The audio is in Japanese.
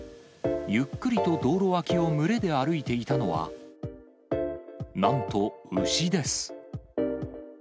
ゆっくりと道路脇を群れで歩いていたのは、なんと、牛です。